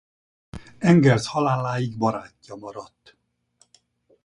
Engels haláláig barátja maradt.